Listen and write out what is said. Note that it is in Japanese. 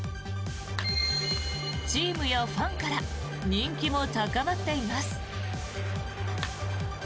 チームやファンから人気も高まっています。